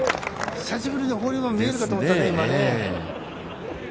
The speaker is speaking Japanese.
久しぶりにホールインワン、見れるかと思ったね。